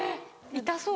痛そう。